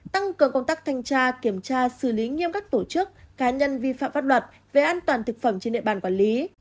tăng cường công tác thanh tra kiểm tra xử lý nghiêm các tổ chức cá nhân vi phạm pháp luật về an toàn thực phẩm trên địa bàn quản lý